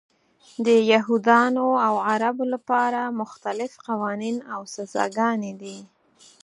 د یهودانو او عربو لپاره مختلف قوانین او سزاګانې دي.